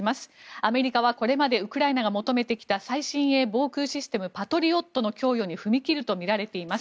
アメリカはこれまでウクライナが求めてきた最新鋭防空ミサイルシステムパトリオットの供与に踏み切るとみられています。